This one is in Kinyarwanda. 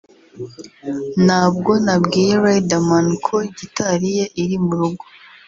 nabwo nabwiye Riderman ko gitari ye iri mu rugo